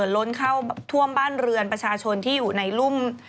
ล้นเข้าท่วมบ้านเรือนประชาชนที่อยู่ในรุ่ม